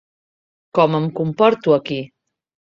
Com em comporto aquí?